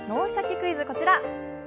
クイズ」、こちら。